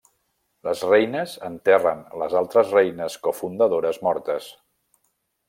Les reines enterren les altres reines cofundadores mortes.